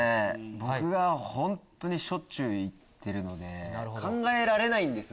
僕がしょっちゅう行ってるので考えられないんですよ。